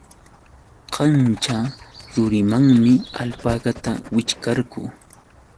Kanćha rurimanmi alpakata wićhqarqu.